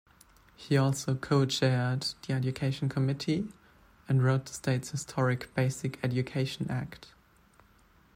He also co-chaired the Education Committee and wrote the state's historic Basic Education Act.